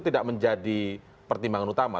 tidak menjadi pertimbangan utama